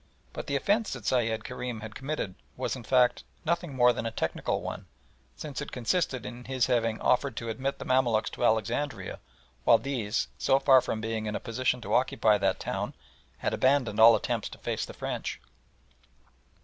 But the offence that Sayed Kerim had committed was, in fact, nothing more than a technical one, since it consisted in his having offered to admit the Mamaluks to Alexandria while these, so far from being in a position to occupy that town, had abandoned all attempts to face the French.